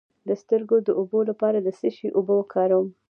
د سترګو د اوبو لپاره د څه شي اوبه وکاروم؟